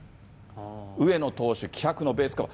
上野投手、気迫のベースカバー。